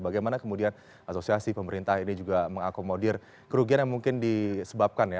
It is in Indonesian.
bagaimana kemudian asosiasi pemerintah ini juga mengakomodir kerugian yang mungkin disebabkan ya